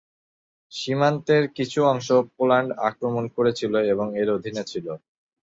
সীমান্তের কিছু অংশ পোল্যান্ড আক্রমণ করেছিল এবং এর অধীনে ছিল।